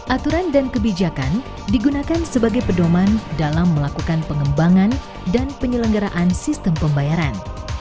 aturan dan kebijakan digunakan sebagai pedoman dalam melakukan pengembangan dan penyelenggaraan sistem pembayaran